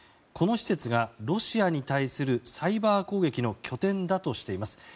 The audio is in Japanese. この施設がロシアに対するサイバー攻撃の拠点だとしています。